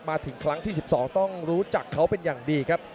มาถึงครั้งที่๑๒ต้องรู้จักเขาเป็นอย่างดีครับ